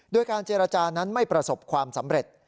โดยการเจรจานั้นไม่ประสบความสำเร็จ